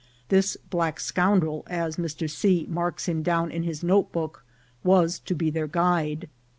This black scoundrel, as Mr. C. marks him down in his notebook, was to be their guide.